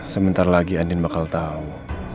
sebentar lagi andien bakal tau